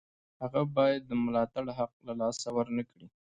هغه باید د ملاتړ حق له لاسه ورنکړي.